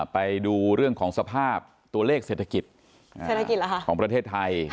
ไปดูเรื่องของสภาพตัวเลขเศรษฐกิจของประเทศไทย